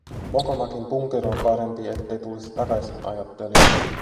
Mokomakin punkero, parempi, ettei tulisi takaisin, ajattelin.